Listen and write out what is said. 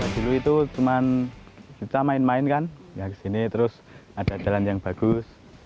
dulu itu cuma kita main main kan kesini terus ada jalan yang bagus